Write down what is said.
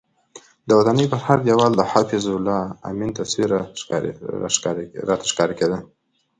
د ودانۍ پر هر دیوال د حفیظ الله امین تصویر راته ښکاره کېده.